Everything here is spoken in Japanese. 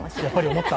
思った？